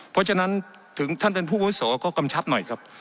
เพราะฉะนั้นถึงท่านเป็นผู้วุโสก็กำชับหน่อยครับ